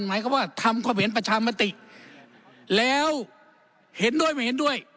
หมายความว่าทำความเห็นประชามติแล้วเห็นด้วยไม่เห็นด้วย